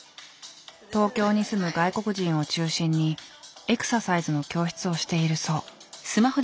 東京に住む外国人を中心にエクササイズの教室をしているそう。